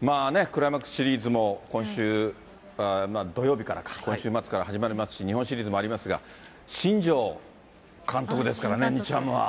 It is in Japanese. まあね、クライマックスシリーズも今週土曜日からか、今週末から始まりますし、日本シリーズもありますが、新庄監督ですからね、日ハムは。